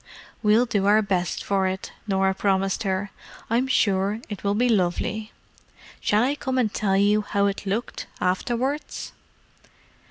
"We'll do our best for it," Norah promised her. "I'm sure it will be lovely. Shall I come and tell you how it looked, afterwards?"